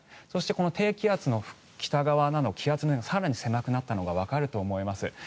そして、この低気圧の北側など気圧の線が更に狭くなったのがわかると思います。